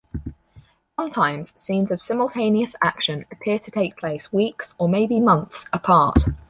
Sometimes scenes of simultaneous action appear to take place weeks or maybe months apart.